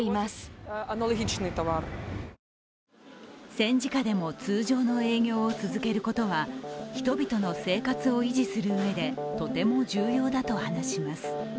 戦時下でも通常の営業を続けることは人々の生活を維持するうえでとても重要だと話します。